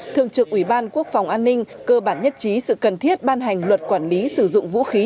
thường trực ủy ban quốc phòng an ninh cơ bản nhất trí sự cần thiết ban hành luật quản lý sử dụng vũ khí